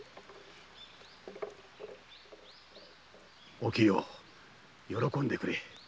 おきよ喜んでくれ。